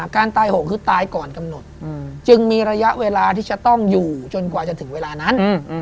การตายโหงคือตายก่อนกำหนดจึงมีระยะเวลาที่จะต้องอยู่จนกว่าจะถึงเวลานั้น